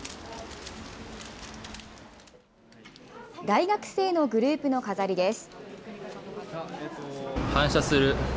大学生のグループの飾りです。